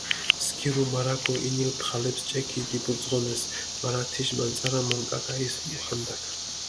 სქირუ, მარა გოჸინილ დღალეფს ჭე ქიდიბურძღონეს, მარა თიშ მანწარა მონკაქ აჸის ხანდაქ.